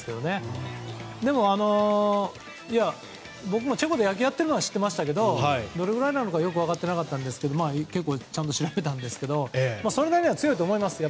でも、僕もチェコが野球をやっているのは知っていましたがどれぐらいなのか良く分かっていなかったので調べたんですがそれなりには強いと思います。